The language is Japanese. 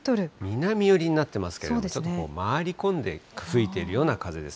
南寄りになってますけれども、ちょっと回り込んで吹いているような風です。